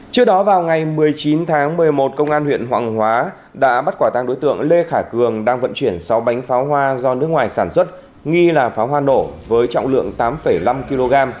trước đó vào ngày một mươi chín tháng một mươi một công an huyện hoàng hóa đã bắt quả tăng đối tượng lê khả cường đang vận chuyển sáu bánh pháo hoa do nước ngoài sản xuất nghi là pháo hoa nổ với trọng lượng tám năm kg